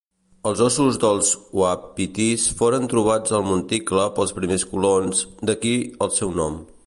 Els ossos dels uapitís foren trobats al monticle pels primers colons, d'aquí el seu nom.